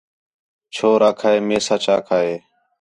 چھور آکھا ہِِے مے سچ آکھا ہِے